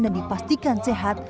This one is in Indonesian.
dan dipastikan sehat